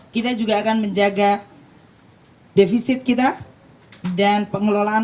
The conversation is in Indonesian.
kita juga akan menjaga defisit kita dan pengelolaan